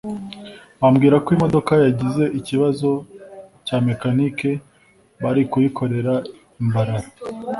bambwira ko imodoka yagize ikibazo cya mekanike bari kuyikorera i Mbarara